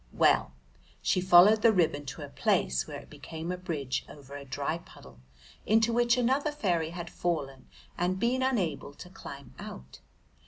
Well, she followed the ribbon to a place where it became a bridge over a dry puddle into which another fairy had fallen and been unable to climb out.